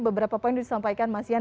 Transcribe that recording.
beberapa poin disampaikan mas yan